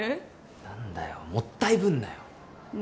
何だよもったいぶんなよね